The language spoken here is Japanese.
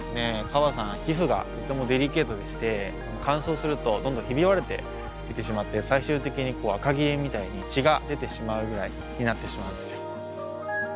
カバさん皮膚がとてもデリケートでして乾燥するとどんどんひび割れてきてしまって最終的にあかぎれみたいに血が出てしまうぐらいになってしまうんですよ。